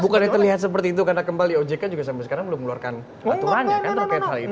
bukan yang terlihat seperti itu karena kembali ojk juga sampai sekarang belum meluarkan aturannya kan